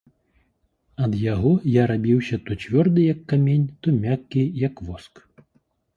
Ад яго я рабіўся то цвёрды, як камень, то мяккі, як воск.